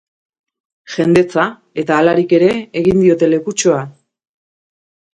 Jendetza, eta halarik ere egin diote lekutxoa.